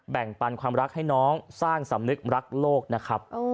แบ่งปันความรักให้น้องสร้างสำนึกรักโลกนะครับ